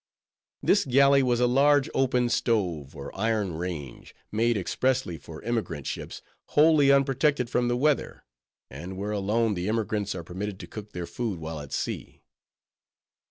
This galley was a large open stove, or iron range—made expressly for emigrant ships, wholly unprotected from the weather, and where alone the emigrants are permitted to cook their food while at sea.